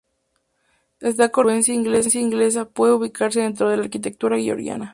Esta corriente de influencia inglesa puede ubicarse dentro de la arquitectura georgiana.